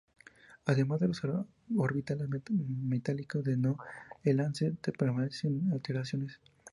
Además los orbitales metálicos de no enlace t permanecen sin alteraciones.